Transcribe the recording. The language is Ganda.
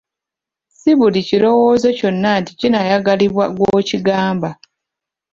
Si buli kirowoozo kyonna nti kinaayagalibwa gwokigamba.